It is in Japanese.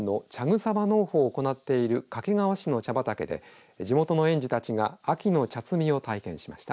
草場農法を行っている掛川市の茶畑で地元の園児たちが秋の茶摘みを体験しました。